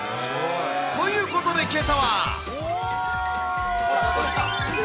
ということでけさは。